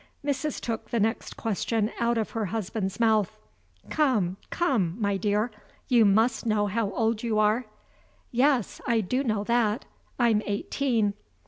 Mrs. took the next question out of her husband's mouth: "Come, come, my dear! you must know how old you are." "Yes; I do know that. I'm eighteen."